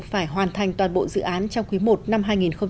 để hoàn thành toàn bộ dự án trong quý i năm hai nghìn một mươi chín